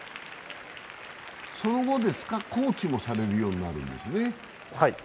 その後ですか、コーチもされるようになるんですね。